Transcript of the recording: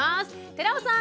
寺尾さん